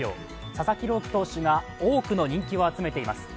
佐々木朗希投手が多くの人気を集めています。